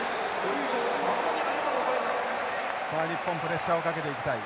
日本プレッシャーをかけていきたい。